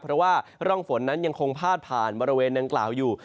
เพราะว่าร่องฝนนั้นยังคงพาดผ่านบริเวณดังกล่าวอยู่